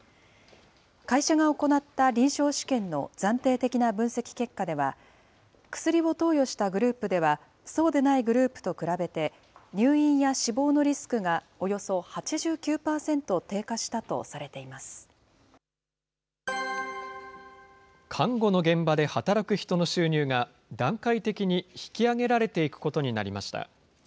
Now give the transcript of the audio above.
会社が行った臨床試験の暫定的な分析結果では、薬を投与したグループでは、そうでないグループと比べて、入院や死亡のリスクがおよそ８９％低下したとされていま看護の現場で働く人の収入が、段階的に引き上げられていくことになりました。